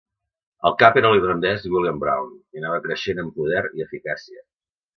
El cap era l'irlandès William Brown, i anava creixent en poder i eficàcia.